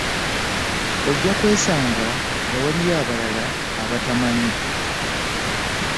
Ojja kwesanga nga waliyo abalala abatamanyi.